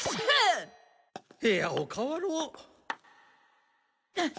部屋を替わろう。